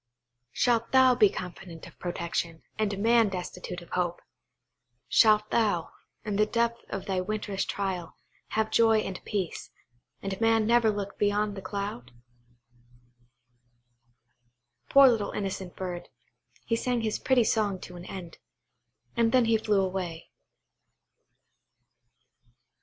Shalt thou be confident of protection, and man destitute of hope! Shalt thou, in the depth of thy winter's trial, have joy and peace, and man never look beyond the cloud? Poor little innocent bird, he sang his pretty song to an end, and then he flew away.